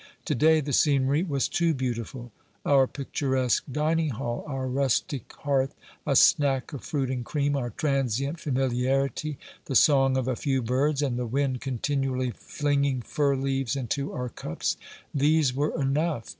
To day the scenery was too beautiful. Our picturesque dining hall, our rustic hearth, a snack of fruit and cream, our transient familiarity, the song of a few birds, and the wind continually flinging fir leaves into our cups — these were enough.